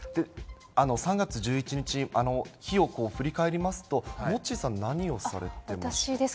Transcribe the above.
３月１１日、日を振り返りますと、モッチーさん、何をされてました？